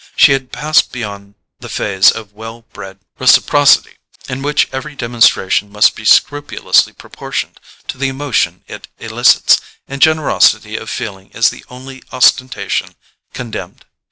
She had passed beyond the phase of well bred reciprocity, in which every demonstration must be scrupulously proportioned to the emotion it elicits, and generosity of feeling is the only ostentation condemned.